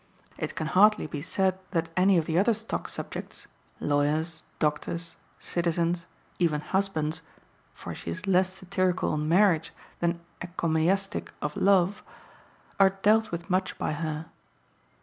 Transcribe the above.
It can hardly be said that any of the other stock subjects, lawyers, doctors, citizens, even husbands (for she is less satirical on marriage than encomiastic of love), are dealt with much by her.